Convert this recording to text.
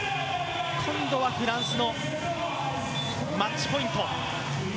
今度はフランスのマッチポイント。